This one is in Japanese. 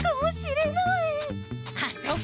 あそこ！